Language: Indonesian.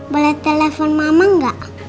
boleh telepon mama enggak